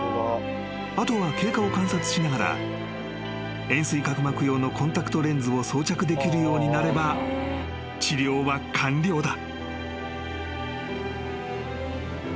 ［後は経過を観察しながら円錐角膜用のコンタクトレンズを装着できるようになれば治療は完了だ］